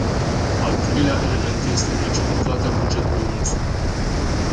Al treilea element este rigiditatea bugetului nostru.